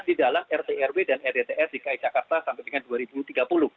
di dalam rt rw dan rt ts di kic jakarta sampai dengan dua ribu tiga puluh